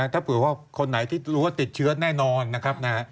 ถ้าเผื่อว่าคนไหนที่รู้ว่าติดเชื้อแน่นอนนะครับ